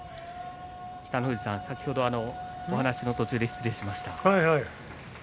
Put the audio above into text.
北の富士さん、先ほどお話の途中で失礼しました。